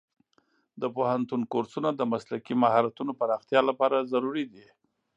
د پوهنتون کورسونه د مسلکي مهارتونو پراختیا لپاره ضروري دي.